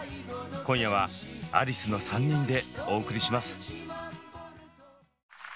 今夜はアリスの３人でお送りします。